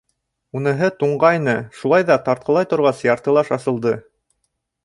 Уныһы туңғайны, шулай ҙа тартҡылай торғас, яртылаш асылды.